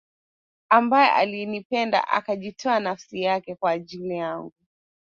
ambaye alinipenda akajitoa nafsi yake kwa ajili yangu